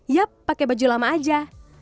yap pakai baju lama aja